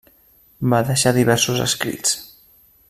Va deixar diversos escrits.